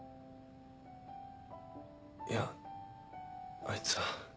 いやあいつは。